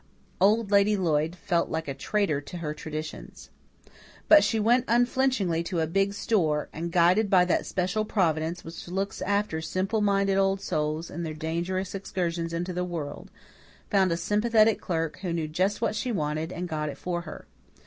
Old Lady Lloyd felt like a traitor to her traditions. But she went unflinchingly to a big store and, guided by that special Providence which looks after simple minded old souls in their dangerous excursions into the world, found a sympathetic clerk who knew just what she wanted and got it for her.